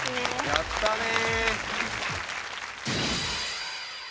やったね